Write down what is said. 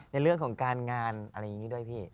ในเรื่องของการงานอะไรอย่างนี้ด้วยพี่